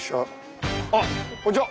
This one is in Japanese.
あっこんにちは。